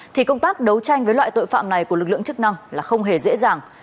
thì công tác đấu tranh với loại tội phạm này của lực lượng chức năng là không hề dễ dàng